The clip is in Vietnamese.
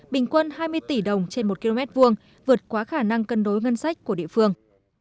bình quân hai mươi tỷ đồng trên một km hai vượt quá khả năng cân đối ngân sách của địa phương